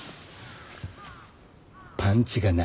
パンチがない。